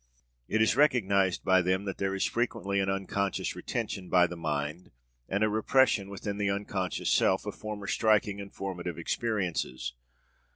It is recognized by them that there is frequently an unconscious retention by the mind, and a repression within the unconscious self, of former striking and formative experiences.